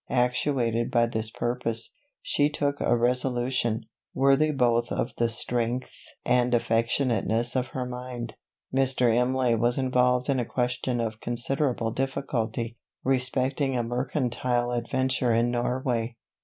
Actuated by this purpose, she took a resolution, worthy both of the strength and affectionateness of her mind. Mr. Imlay was involved in a question of considerable difficulty, respecting a mercantile adventure in Norway.